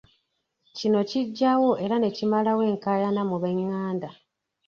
Kino kiggyawo era ne kimalawo enkaayana mu b'enganda.